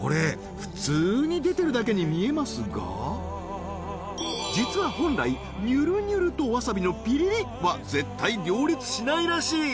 これ普通に出てるだけに見えますが実は本来にゅるにゅるとわさびのピリリは絶対両立しないらしい！